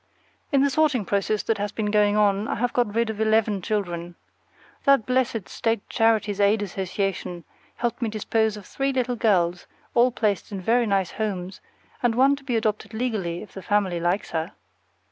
In the sorting process that has been going on I have got rid of eleven children. That blessed State Charities Aid Association helped me dispose of three little girls, all placed in very nice homes, and one to be adopted legally if the family likes her.